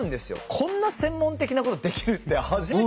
こんな専門的なことできるって初めて知りました。